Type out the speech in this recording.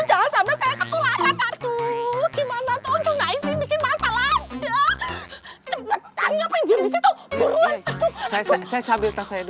cepetan ya penggunaan itu buruan saya saya sambil